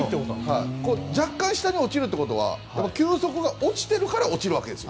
若干、下に落ちるということは球速が落ちているから落ちるわけです。